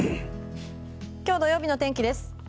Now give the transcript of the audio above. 今日土曜日の天気です。